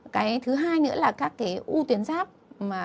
cái thứ hai nữa là các cái u tuyến giáp